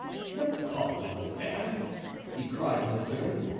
"The Comte de la Fere!" he cried in his turn.